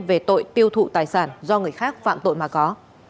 về tội tiêu thụ tài sản do người khác phạm tội mà có